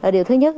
điều thứ nhất